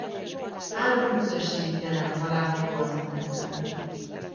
Három közösségi terem található az emeleten.